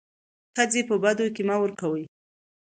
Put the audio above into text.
ښځي په بديو کي مه ورکوئ.